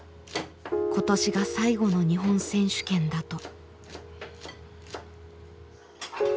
「今年が最後の日本選手権」だと。